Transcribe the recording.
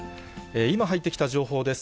今入ってきた情報です。